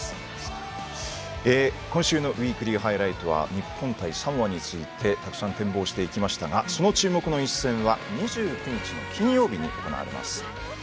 今週の「ウィークリーハイライト」は日本対サモアについてたくさん展望していきましたがその注目の一戦は２９日の金曜日に行われます。